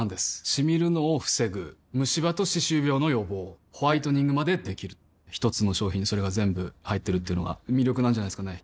シミるのを防ぐムシ歯と歯周病の予防ホワイトニングまで出来る一つの商品にそれが全部入ってるっていうのが魅力なんじゃないですかね